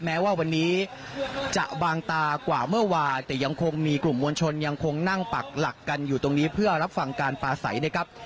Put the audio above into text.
แม้ว่าวันนี้จะบางตากว่าเมื่อวานแต่ยังคงมีกลุ่มมวลชนยังคงนั่งปักหลักกันอยู่ตรงนี้เพื่อรับฟังการปลาใสนะครับ